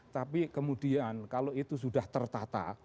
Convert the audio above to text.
tapi kemudian kalau itu sudah tertata